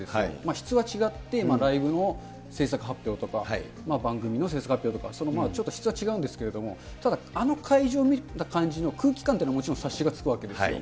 質は違って、ライブの制作発表とか、番組の制作発表とか、その、ちょっと質は違うんですけど、ただあの会場を見た感じの空気感っていうのはもちろん察しがつくわけですよ。